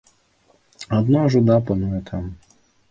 Адна жуда пануе там.